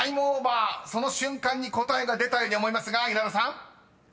［その瞬間に答えが出たように思いますが稲田さん］